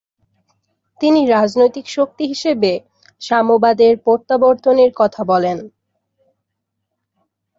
তিনি রাজনৈতিক শক্তি হিসেবে সাম্যবাদের প্রত্যাবর্তনের কথা বলেন।